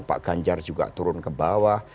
pak ganjar juga turun ke bawah